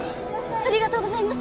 ありがとうございます